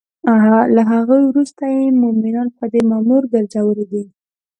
له هغوی وروسته یی مومنان په دی مامور ګرځولی دی